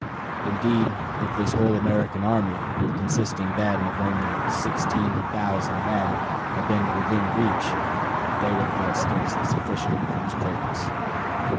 Indeed, if the whole American army, consisting then of only sixteen thousand men, had been 'within reach' they would have been scarcely sufficient for this purpose."